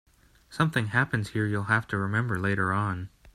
Something happens here you'll have to remember later on.